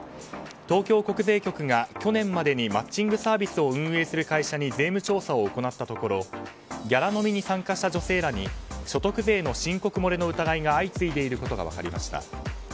東京国税局が去年までにマッチングサービスを運営する会社に税務調査を行ったところギャラ飲みに参加した女性らに所得税の申告漏れの疑いが相次いでいることが分かりました。